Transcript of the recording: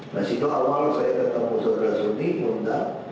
nah situ awal saya bertemu saudara seni undang